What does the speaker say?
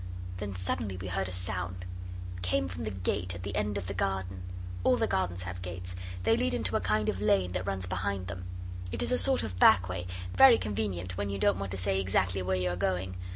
Then suddenly we heard a sound it came from the gate at the end of the garden. All the gardens have gates; they lead into a kind of lane that runs behind them. It is a sort of back way, very convenient when you don't want to say exactly where you are going.